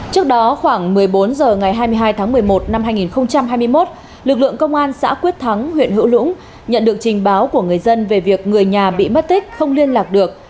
trước đó khoảng một mươi bốn h ngày hai mươi hai tháng một mươi một năm hai nghìn hai mươi một lực lượng công an xã quyết thắng huyện hữu lũng nhận được trình báo của người dân về việc người nhà bị mất tích không liên lạc được